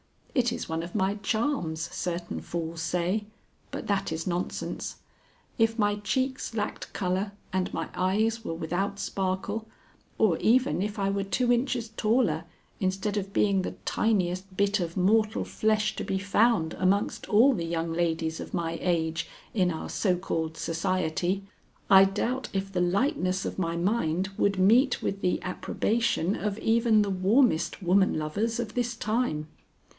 It is one of my charms, certain fools say, but that is nonsense. If my cheeks lacked color and my eyes were without sparkle, or even if I were two inches taller instead of being the tiniest bit of mortal flesh to be found amongst all the young ladies of my age in our so called society, I doubt if the lightness of my mind would meet with the approbation of even the warmest woman lovers of this time.